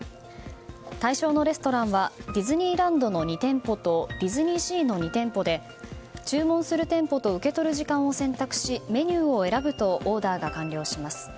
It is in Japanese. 対象のレストランはディズニーランドの２店舗とディズニーシーの２店舗で注文する店舗と受け取る時間を選択しメニューを選ぶとオーダーが完了します。